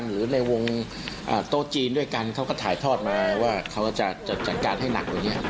หรือในวงโต๊ะจีนด้วยกันเขาก็ถ่ายทอดมาว่าเขาจะจัดการให้หนักอะไรอย่างนี้